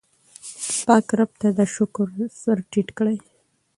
پاک رب ته د شکر سر ټیټ کړئ.